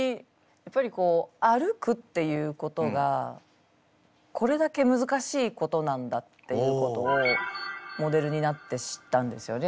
やっぱりこう歩くっていうことがこれだけむずかしいことなんだっていうことをモデルになって知ったんですよね